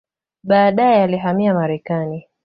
Baadaye alihamia Marekani.